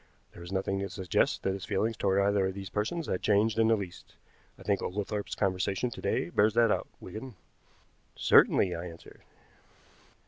There is nothing to suggest that his feelings toward either of these persons had changed in the least. I think Oglethorpe's conversation to day bears that out, Wigan." "Certainly," I answered.